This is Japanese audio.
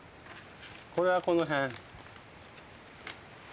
これはこの辺。